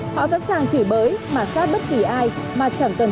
họ sẵn sàng chửi bới mà sát bất kỳ ai mà chẳng cần